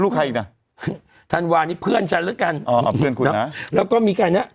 ใครอีกน่ะธันวานี่เพื่อนฉันแล้วกันอ๋อเพื่อนคุณนะแล้วก็มีใครนะ